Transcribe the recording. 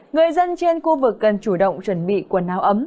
người dân trên khu vực cần chủ động chuẩn bị quần áo ấm